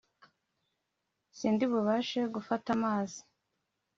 sindibubashe gufata amazi